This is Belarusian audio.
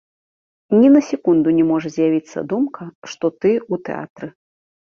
Ні на секунду не можа з'явіцца думка, што ты ў тэатры.